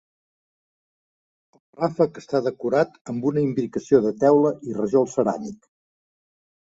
El ràfec està decorat amb una imbricació de teula i rajol ceràmic.